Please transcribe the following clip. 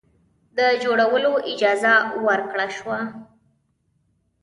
د جوړولو اجازه ورکړه شوه.